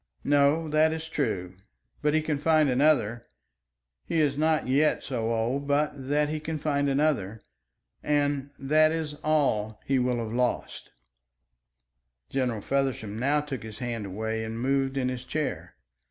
"No, that is true; but he can find another. He is not yet so old but that he can find another. And that is all that he will have lost." General Feversham now took his hand away and moved in his chair.